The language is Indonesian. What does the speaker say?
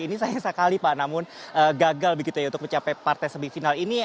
ini sayang sekali pak namun gagal begitu ya untuk mencapai partai semifinal ini